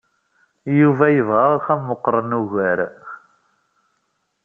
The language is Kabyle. Yuba yebɣa axxam meɣɣren ugar.